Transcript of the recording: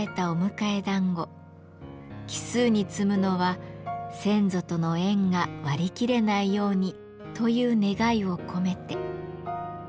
奇数に積むのは「先祖との縁が割り切れないように」という願いを込めて。